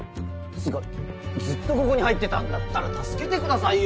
つうかずっとここに入ってたんだったら助けてくださいよ。